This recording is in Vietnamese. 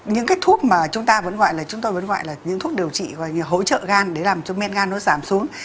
những cái thuốc mà chúng ta vẫn gọi là những thuốc điều trị hỗ trợ gan để làm cho men gan nó giảm xuống